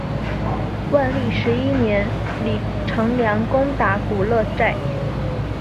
万历十一年李成梁攻打古勒寨。